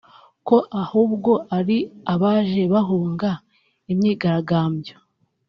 ko ahubwo ari abaje bahunga imyigaragambyo